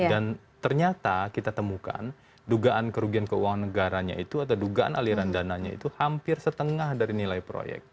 dan ternyata kita temukan dugaan kerugian keuangan negaranya itu atau dugaan aliran dananya itu hampir setengah dari nilai proyek